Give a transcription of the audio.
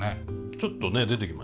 ちょっとね出てきましたね。